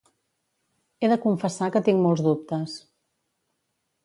He de confessar que tinc molts dubtes.